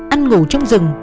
ăn ngủ trong rừng